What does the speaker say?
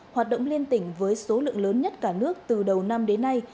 hoạt động liên tỉnh với số lượng lớn nhất cả nước từ đầu năm đến nay